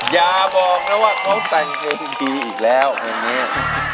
อย่าบอกนะว่าเขาตังเพลงดีอีกแล้วเหมือนเนี่ย